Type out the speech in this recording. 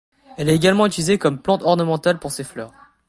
Elle est également utilisée comme plante ornementale pour ses fleurs.